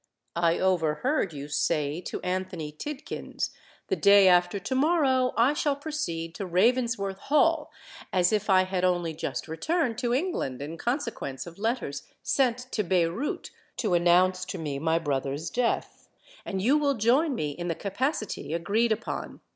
"I overheard you say to Anthony Tidkins, '_The day after to morrow I shall proceed to Ravensworth Hall, as if I had only just returned to England in consequence of letters sent to Beyrout to announce to me my brother's death; and you will join me in the capacity agreed upon_.'